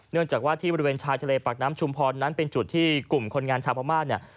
เนื่องจากว่าที่บริเวณชายทะเลปากน้ำชุมพรนั้นเป็นจุดที่กลุ่มคนงานชาวพม่าเนี่ย